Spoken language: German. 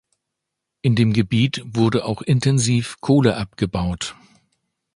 In dem Gebiet wurde auch intensiv Kohle abgebaut.